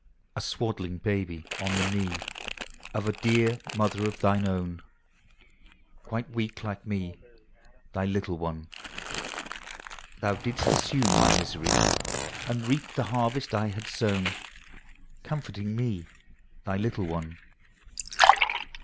A swaddled Baby on the knee Of a dear Mother of Thine own, Quite weak like me Thy little one. Thou didst assume my misery, And reap the harvest I had sown, Comforting me Thy little one.